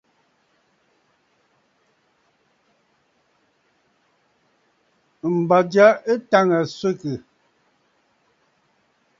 M̀bà ja ɨ tàŋə̀ swegè.